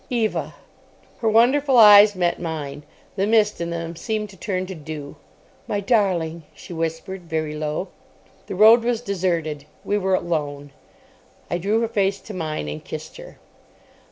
"Eva...." Her wonderful eyes met mine. The mist in them seemed to turn to dew. "My darling," she whispered, very low. The road was deserted. We were alone. I drew her face to mine and kissed her.